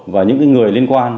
và những người liên quan